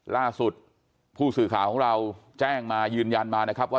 ล่าสุดผู้สื่อข่าวของเราแจ้งมายืนยันมานะครับว่า